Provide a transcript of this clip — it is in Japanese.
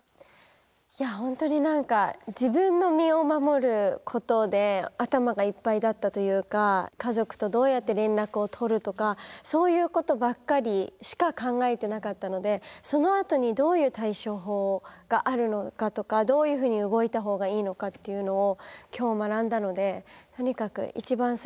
いや本当に何か自分の身を守ることで頭がいっぱいだったというか家族とどうやって連絡を取るとかそういうことばっかりしか考えてなかったのでそのあとにどういう対処法があるのかとかどういうふうに動いた方がいいのかというのを今日学んだのでとにかくそれは覚えて帰ります